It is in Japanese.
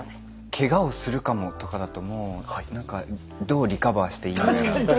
「ケガをするかも」とかだともうどうリカバーしていいのやら。